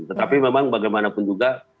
tetapi memang bagaimanapun juga